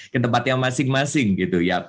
ke tempatnya masing masing gitu ya